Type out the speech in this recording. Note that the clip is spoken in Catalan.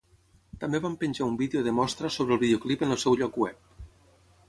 També van penjar un vídeo de mostra sobre el videoclip en el seu lloc web.